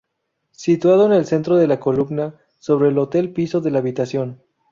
Situado en el centro de la columna sobre el hotel piso de la habitación.